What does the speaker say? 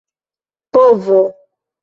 povo